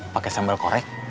pakai sambal korek